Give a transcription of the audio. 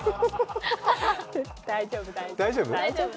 大丈夫、大丈夫。